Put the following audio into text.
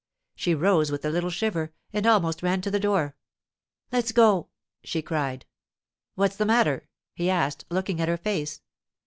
She rose with a little shiver and almost ran to the door. 'Let's go!' she cried. 'What's the matter?' he asked, looking at her face.